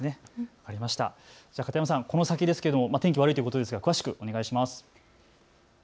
片山さん、この先ですが天気悪いということですが詳しくお願いします。